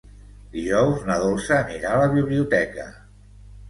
Dijous na Dolça anirà a la biblioteca.